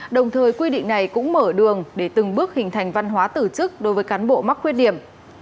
đồng thời quy định này cũng mở đường để từng bước hình thành văn hóa tử chức đối với cán bộ mắc khuyết điểm